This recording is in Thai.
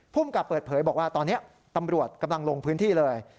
ภูมิกับเปิดเผยบอกว่าตอนนี้ตำรวจกำลังลงพื้นที่เลย